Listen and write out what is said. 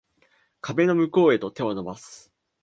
壁の向こうへと手を伸ばす